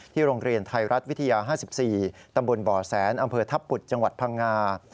โรงเรียนไทยรัฐวิทยา๕๔ตำบลบ่อแสนอำเภอทัพปุดจังหวัดพังงา